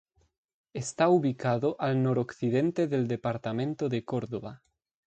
Está ubicado al noroccidente del departamento de córdoba.